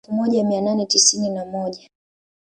Mweaka wa elfu moja mia nane tisini na moja